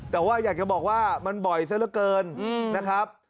แต่ว่าอยากจะบอกว่ามันบ่อยซะละเกินนะครับ